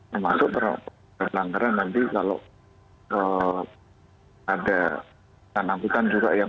termasuk perlengkaran nanti kalau ada penangkutan juga yang